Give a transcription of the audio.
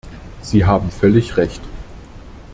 Sie haben völlig Recht.